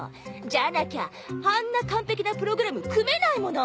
じゃなきゃあんな完璧なプログラム組めないもの。